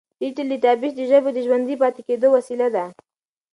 ډیجیټل ډیټابیس د ژبې د ژوندي پاتې کېدو وسیله ده.